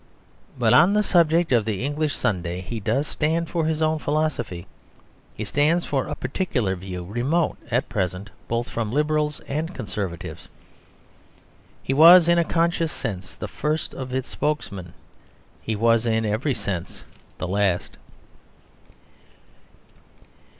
But on the subject of the English Sunday he does stand for his own philosophy. He stands for a particular view, remote at present both from Liberals and Conservatives. He was, in a conscious sense, the first of its spokesmen. He was in every sense the last.